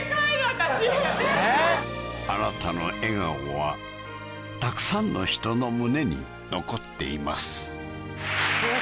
私あなたの笑顔はたくさんの人の胸に残っています